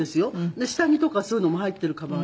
下着とかそういうのも入ってるかばんに。